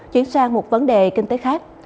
chuyển sang một vấn đề kinh tế khác